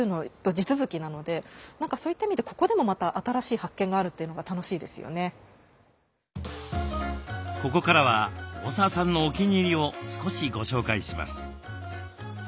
商品化しているものはここからは大澤さんのお気に入りを少しご紹介します。